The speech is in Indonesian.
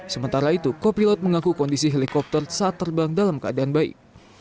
sementara itu kopilot mengaku kondisi helikopter saat terbang dalam keadaan baik